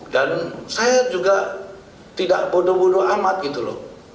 dan saya juga tidak bodoh bodoh amat gitu loh